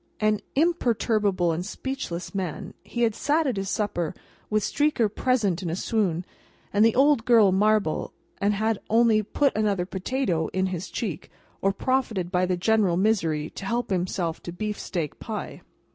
An imperturbable and speechless man, he had sat at his supper, with Streaker present in a swoon, and the Odd Girl marble, and had only put another potato in his cheek, or profited by the general misery to help himself to beefsteak pie.